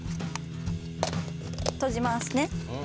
閉じますね。